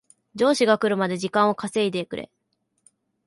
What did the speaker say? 上司が来るまで時間を稼いでくれ